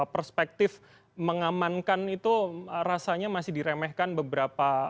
perspektif mengamankan itu rasanya masih diremehkan beberapa